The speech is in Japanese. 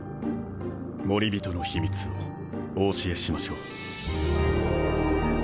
モリビトの秘密をお教えしましょう。